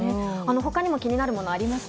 他にも気になるものありました？